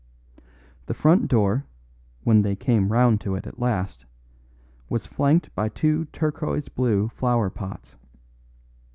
The front door, when they came round to it at last, was flanked by two turquoise blue flower pots.